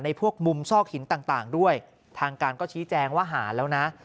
พวกมุมซอกหินต่างด้วยทางการก็ชี้แจงว่าหาแล้วนะ